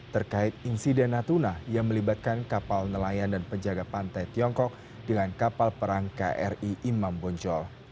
terkait insiden natuna yang melibatkan kapal nelayan dan penjaga pantai tiongkok dengan kapal perang kri imam bonjol